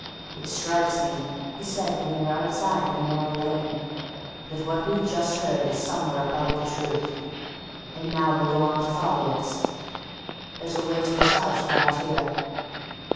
"It strikes me," he said, when they were outside in the narrow lane, "that what we've just heard is somewhere about the truth. And now we'll go on to Folliot's there's a way to his house round here."